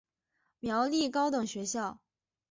苗栗高等学校